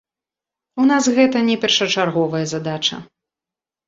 У нас гэта не першачарговая задача.